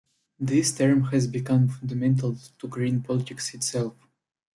This term has become fundamental to green politics itself.